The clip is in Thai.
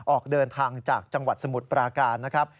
ออกเดินทางจากจังหวัดสมุทรปราการนะครับ